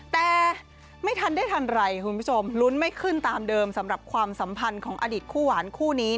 แต่ไม่ทันได้ทันไรคุณผู้ชมลุ้นไม่ขึ้นตามเดิมสำหรับความสัมพันธ์ของอดีตคู่หวานคู่นี้